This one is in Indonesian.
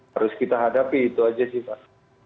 harus kita hadapi itu aja sih pak